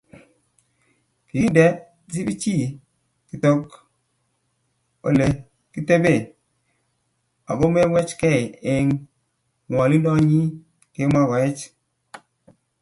Kikinde Sifichi kitok Ole kitebee akowechwechkei eng ngwonindonyi kemoi Koech